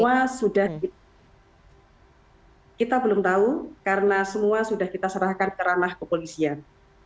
semua sudah kita belum tahu karena semua sudah kita serahkan ke ranah kepolisian